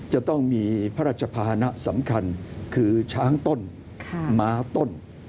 จะต้องมีพระราชภานะสำคัญคือช้างต้นม้าต้น